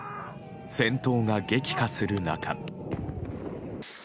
戦闘が激化する中。